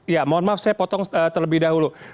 ya mohon maaf saya potong terlebih dahulu